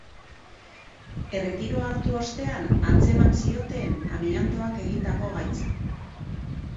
Erretiroa hartu ostean antzeman zioten amiantoak eragindako gaitza.